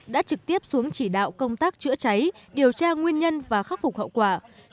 đã trực tiếp xuống chỉ đạo công tác chữa cháy điều tra nguyên nhân và khắc phục hậu quả